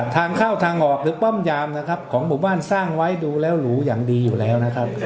ทางเข้าทางออกหรือป้อมยามนะครับของหมู่บ้านสร้างไว้ดูแล้วหรูอย่างดีอยู่แล้วนะครับ